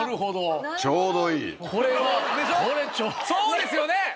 そうですよね。